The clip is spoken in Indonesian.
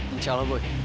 insya allah boy